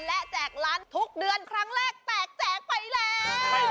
และแจกล้านทุกเดือนครั้งแรกแตกแจกไปแล้ว